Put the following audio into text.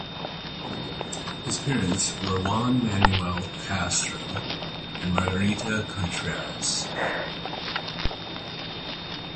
His parents were Juan Manuel Castro and Margarita Contreras.